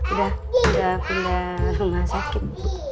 udah pindah rumah sakit